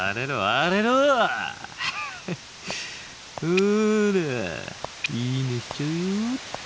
ほら「いいね」しちゃうよっと。